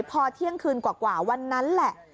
พอเที่ยงคืนกว่าวันนั้นแหละ